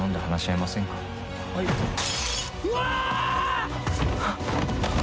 「うわ！！」